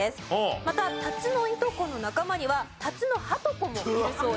またタツノイトコの仲間にはタツノハトコもいるそうです。